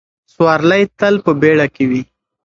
سوارلۍ تل په بیړه کې وي.